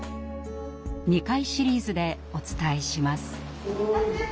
２回シリーズでお伝えします。